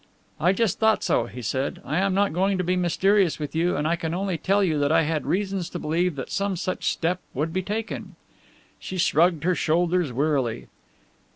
"I just thought so," he said. "I am not going to be mysterious with you and I can only tell you that I had reasons to believe that some such step would be taken." She shrugged her shoulders wearily.